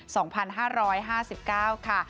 สองพันห้าร้อยห้าสิบเก้าค่ะ